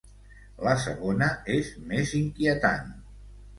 La segona és més inquietant.